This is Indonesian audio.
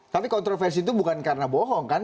tapi kontroversi itu bukan karena bohong kan